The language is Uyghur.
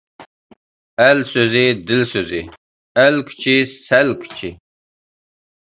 ئەل سۆزى — دىل سۆزى. ئەل كۈچى — سەل كۈچى.